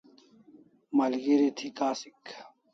Malgeri thi kasik